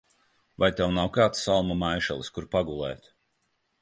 Vai tev nav kāds salmu maišelis, kur pagulēt?